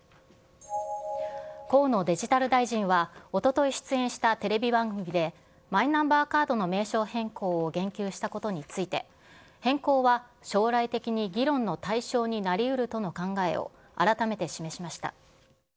河野デジタル大臣は、おととい出演したテレビ番組で、マイナンバーカードの名称変更を言及したことについて、変更は将来的に議論の対象になりうるとの考えを改めて示しました。